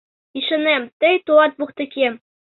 Ӱшанем, тый толат воктекем